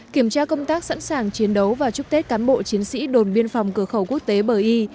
kiểm tra công tác sẵn sàng chiến đấu và chúc tết cán bộ chiến sĩ đồn biên phòng cửa khẩu quốc tế bờ y